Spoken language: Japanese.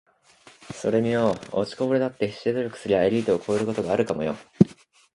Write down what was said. ｢それによ……落ちこぼれだって必死で努力すりゃエリートを超えることがあるかもよ｣